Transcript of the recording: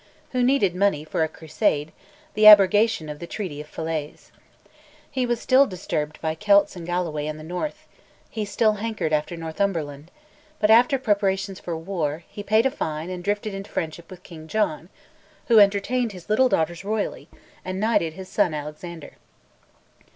who needed money for a crusade, the abrogation of the Treaty of Falaise. He was still disturbed by Celts in Galloway and the north, he still hankered after Northumberland, but, after preparations for war, he paid a fine and drifted into friendship with King John, who entertained his little daughters royally, and knighted his son Alexander.